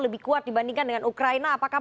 lebih kuat dibandingkan dengan ukraina apakah